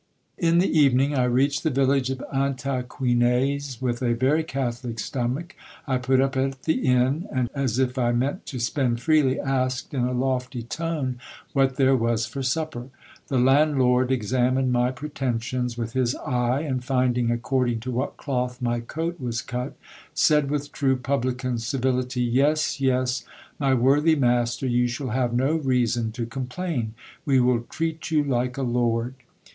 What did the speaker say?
In the evening I reached the village of Ataquines with a very catholic stomach. I put up at the inn ; and, as if I meant to spend freely, asked, in a lofty tone, what there was for supper. The landlord examined my pretensions with his eye, and finding according to what cloth my coat was cut, said with true publican's civility — Yes, yes, my worthy master, you shall have no reason to complain ; we will treat you like a lord.